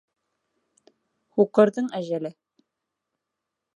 ҺУҠЫРҘЫҢ ӘЖӘЛЕ